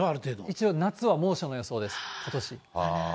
一応夏は猛暑の予想です、ことし。